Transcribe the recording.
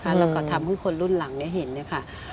แล้วก็ทำให้คนรุ่นหลังเห็นเนี่ยค่ะ